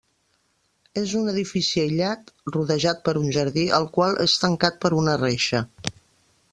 És un edifici aïllat, rodejat per un jardí, el qual és tancat per una reixa.